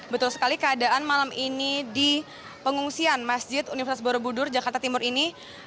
betul sekali keadaan malam ini di pengungsian masjid universitas borobudur jakarta timur ini